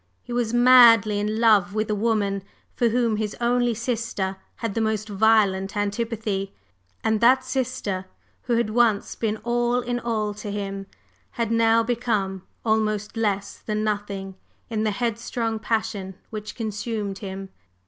He was madly in love with a woman for whom his only sister had the most violent antipathy; and that sister, who had once been all in all to him, had now become almost less than nothing in the headstrong passion which consumed him.